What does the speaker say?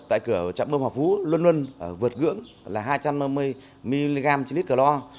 tại cửa trạm bông học vũ luân luân vượt gưỡng là hai trăm năm mươi mg trên lít cờ lo